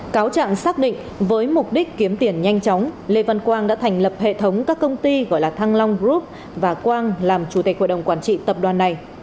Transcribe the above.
cáo trạng xác định với mục đích kiếm tiền nhanh chóng lê văn quang đã thành lập hệ thống các công ty gọi là thăng long group và quang làm chủ tịch hội đồng quản trị tập đoàn này